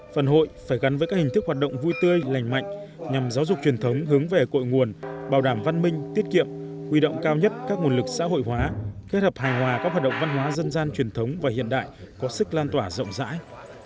phần hội phải gắn với các hình thức hoạt động vui tươi lành mạnh nhằm giáo dục truyền thống hướng về cội nguồn bảo đảm văn minh tiết kiệm huy động cao nhất các nguồn lực xã hội hóa kết hợp hài hòa các hoạt động văn hóa dân gian truyền thống và hiện đại có sức lan tỏa rộng rãi